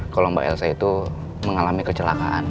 kalo mba elsa itu mengalami kecelakaan